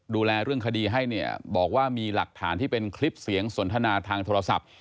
ดูแลเรื่องคดีให้เนี่ยบอกว่ามีหลักฐานที่เป็นคลิปเสียงสนทนาทางโทรศัพท์